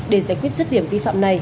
để giải quyết dứt điểm vi phạm này